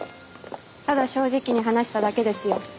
ただ正直に話しただけですよ。